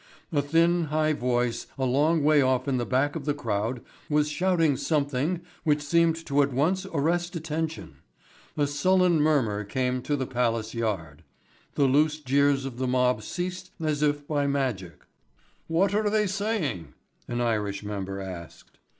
A thin high voice a long way off in the back of the crowd was shouting something which seemed to at once arrest attention. A sullen murmur came up to Palace Yard. The loose jeers of the mob ceased as if by magic. "What are they saying?" an Irish member asked.